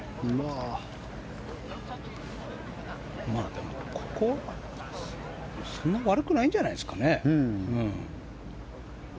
でも、ここはそんなに悪くないんじゃないですかね。